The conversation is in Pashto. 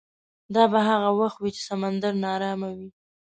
دا به هغه وخت وي چې سمندر ناارامه وي.